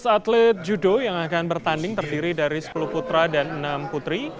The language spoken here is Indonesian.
dua belas atlet judo yang akan bertanding terdiri dari sepuluh putra dan enam putri